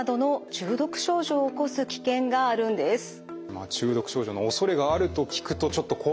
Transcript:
中毒症状のおそれがあると聞くとちょっと怖いなという感じがします。